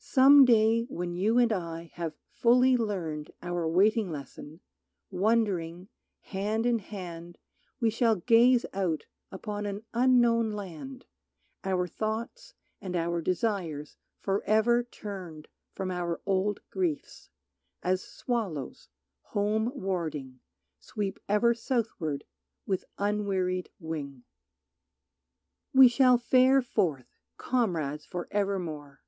Some day when you and I have fully learned Our waiting lesson, wondering, hand in hand We shall gaze out upon an unknown land, Our thoughts and our desires forever turned From our old griefs, as swallows, home warding, Sweep ever southward with unwearied wing. We shall fare forth, comrades for evermore.